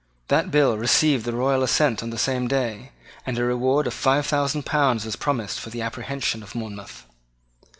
That bill received the royal assent on the same day; and a reward of five thousand pounds was promised for the apprehension of Monmouth.